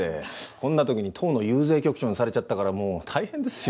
こんなときに党の遊説局長にされちゃったからもう大変ですよ。